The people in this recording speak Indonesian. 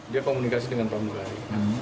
dia komunikasi dengan promugari